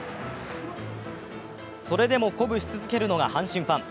それでも鼓舞し続けるのが阪神ファン。